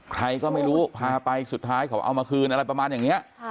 ใครก็ไม่รู้พาไปสุดท้ายเขาเอามาคืนอะไรประมาณอย่างนี้